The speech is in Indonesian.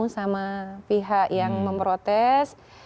sama pihak yang memprotes